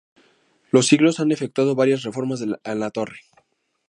Los siglos han efectuado varias reformas en la torre.